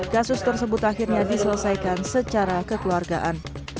kasus tersebut akhirnya diselesaikan secara kekeluargaan